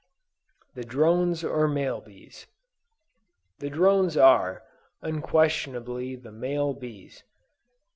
THE DRONES OR MALE BEES. The drones are, unquestionably, the male bees.